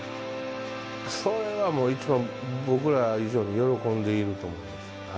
それはもう一番、僕ら以上に喜んでいると思います。